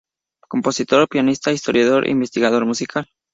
Compositor, pianista, historiador e investigador musical.